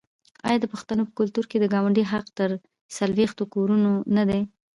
آیا د پښتنو په کلتور کې د ګاونډي حق تر څلوېښتو کورونو نه دی؟